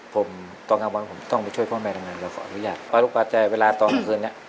ผมตอนกลางวันผมต้องไปช่วยพ่อแม่ทำงานเราขออนุญาตปลาลูกปลาใจเวลาตอนกลางคืนเนี้ย